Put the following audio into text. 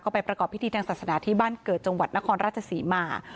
ไปประกอบพิธีทางศาสนาที่บ้านเกิดจังหวัดนครราชศรีมา